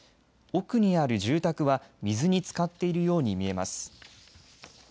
奥にある住宅は水につかっているように見えます。